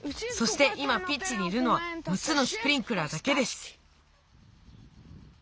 そしていまピッチにいるのは６つのスプリンクラーだけです。